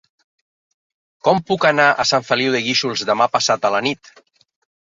Com puc anar a Sant Feliu de Guíxols demà passat a la nit?